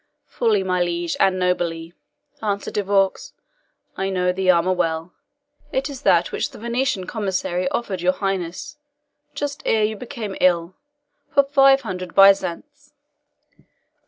"Fully, my liege, and nobly," answered De Vaux. "I know the armour well; it is that which the Venetian commissary offered your highness, just ere you became ill, for five hundred byzants."